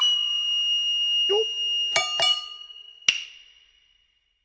よっ！